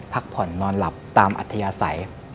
พักผ่อนนอนหลับตามอัธยาศัย